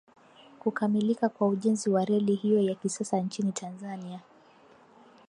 Kukamilika kwa ujenzi wa reli hiyo ya kisasa nchini Tanzania